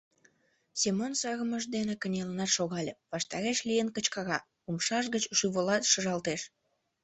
— Семон сырымыж дене кынелынат шогале, ваштареш лийын кычкыра, умшаж гыч шӱвылат шыжалтеш.